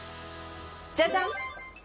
じゃじゃん！